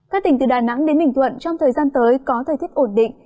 các tỉnh từ đà nẵng đến bình thuận trong thời gian tới có thời tiết ổn định